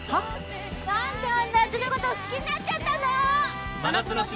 「何であんなやつのこと好きになっちゃったんだろ！」